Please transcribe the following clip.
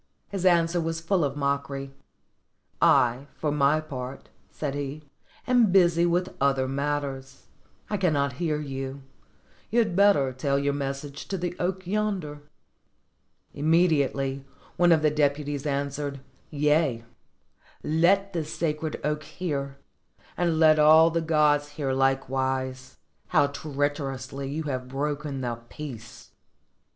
His answer was full of mockery: "I, for my part," said he, "am busy with other matters: I cannot hear you ; you had better tell your message to the oak yonder." Immediately one of the deputies answered, '*Yea, let this sacred oak hear, and let all the gods hear Hkewise, how treacherously you have broken the peace